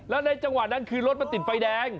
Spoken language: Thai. แล้วในจังหวะนั้นคือรถมันติดไฟแดง